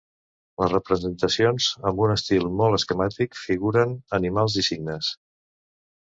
Les representacions, amb un estil molt esquemàtic, figuren animals i signes.